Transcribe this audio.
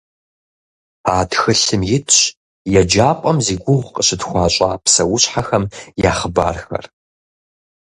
А тхылъым итщ еджапӏэм зи гугъу къыщытхуащӏа псэущхьэхэм я хъыбархэр.